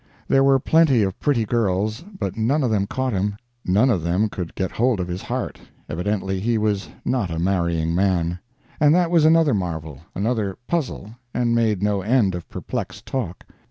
There were plenty of pretty girls, but none of them caught him, none of them could get hold of his heart; evidently he was not a marrying man. And that was another marvel, another puzzle, and made no end of perplexed talk.